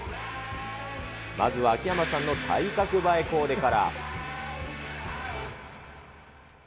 まずは秋山さんの体格映えコーデから。